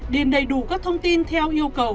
điền đầy đủ các thông tin theo yêu cầu